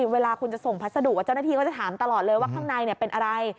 เวลาคุณจะส่งพัสดุเจ้าหน้าที่ก็จะถามตลอดเลยว่าข้างในเป็นอะไร